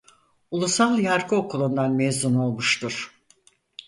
Ulusal Yargı Okulu'ndan mezun olmuştur.